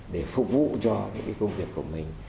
để phục vụ cho những công việc của mình